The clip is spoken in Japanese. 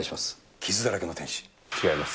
傷だらけの天使？違います。